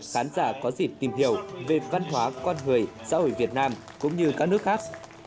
khán giả có dịp tìm hiểu về văn hóa con người xã hội việt nam cũng như các nước khác